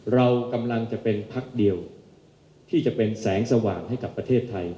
เรากำลังจะเป็นพักเดียวที่จะเป็นแสงสว่างให้กับประเทศไทย